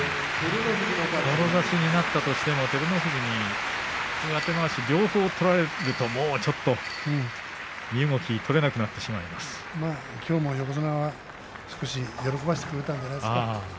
もろ差しになったとしても照ノ富士に上手まわし両方取られるともう、ちょっと身動きがきょうも横綱は少し喜ばせてくれたんじゃないですか。